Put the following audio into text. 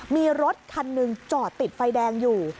มีรถคันหนึ่งจอดติดไฟแดงอยู่